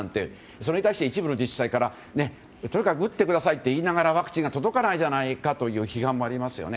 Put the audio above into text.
それに対して一部の自治体からとにかく打ってくださいと言いながらワクチンが届かないじゃないかという批判もありますよね。